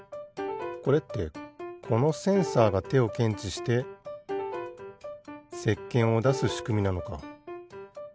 これってこのセンサーがてをけんちしてせっけんをだすしくみなのか。